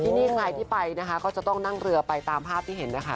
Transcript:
นี่ใครที่ไปนะคะก็จะต้องนั่งเรือไปตามภาพที่เห็นนะคะ